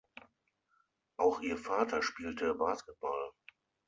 Auch ihr Vater spielte Basketball.